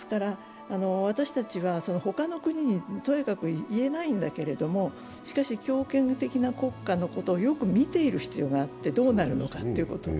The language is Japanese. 私たちは他の国にとやかく言えないんだけれどもしかし強権的な国家のことをよく見ていく必要があってどうなるのかっていうことを。